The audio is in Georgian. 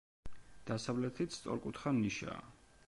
დასავლეთით სწორკუთხა ნიშაა.